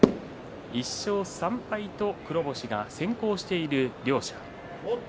１勝３敗と黒星が先行している両者。